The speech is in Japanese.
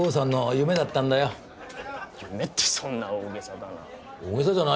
夢ってそんな大げさだな。